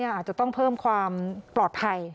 อาจจะต้องเพิ่มความปลอดภัย